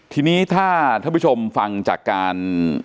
ทีนี้ถ้าท่านผู้ชมฟังจากการ